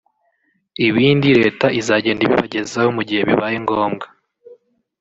ibindi leta izagenda ibibagezaho mu gihe bibaye ngombwa